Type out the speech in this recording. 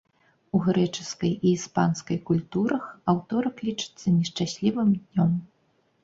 У грэчаскай і іспанскай культурах аўторак лічыцца нешчаслівым днём.